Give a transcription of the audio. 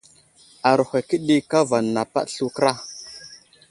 Aruhw akəɗi kava napaɗ slu kəra.